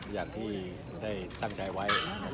และพร้อมเริ่มเทพธิ์ชาติความรับรัก